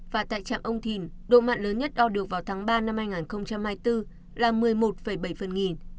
và tại trạm ông thìn độ mặn lớn nhất đo được vào tháng ba năm hai nghìn hai mươi bốn là một mươi một bảy phần nghìn